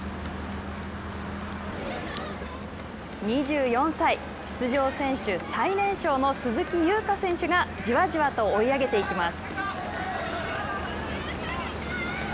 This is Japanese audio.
２４歳、出場選手最年少の鈴木優花選手がじわじわと追い上げていきます。